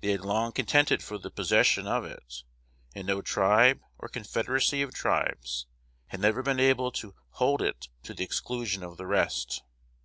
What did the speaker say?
They had long contended for the possession of it; and no tribe, or confederacy of tribes, had ever been able to hold it to the exclusion of the rest.